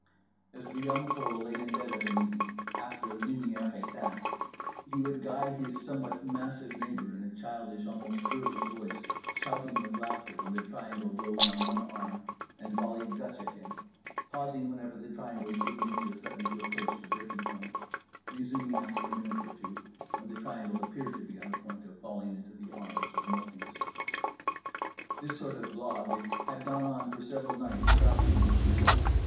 As The Young Pole lay in bed of an evening after lumières éteintes, he would guy his somewhat massive neighbour in a childish almost girlish voice, shouting with laughter when The Triangle rose on one arm and volleyed Dutch at him, pausing whenever The Triangle's good nature threatened to approach the breaking point, resuming after a minute or two when The Triangle appeared to be on the point of falling into the arms of Morpheus. This sort of blague had gone on for several nights without dangerous results.